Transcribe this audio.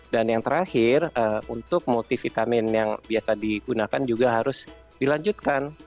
dan yang terakhir untuk multivitamin yang biasa digunakan juga harus dilanjutkan